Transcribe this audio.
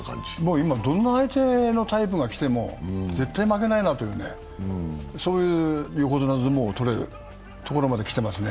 今、どんな相手のタイプが来ても絶対負けないなというそういう横綱相撲を取れるところまできていますね。